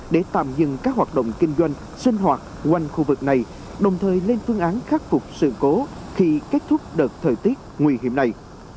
để tạm dừng các hoạt động kinh doanh sinh hoạt quanh khu vực này đồng thời lên phương án khắc phục sự cố khi kết thúc đợt thời tiết nguy hiểm này